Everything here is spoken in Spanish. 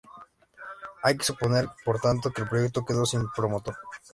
Hay que suponer, por tanto, que el proyecto quedó sin promotor.